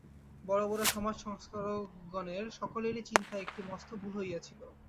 বড় বড় সমাজ সংস্কারকগণের সকলেরই চিন্তায় একটি মস্ত ভুল হইয়াছিল।